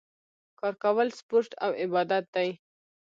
کار کول سپورټ او عبادت دی